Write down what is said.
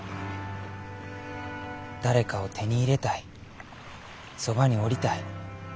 誰かを手に入れたいそばにおりたい。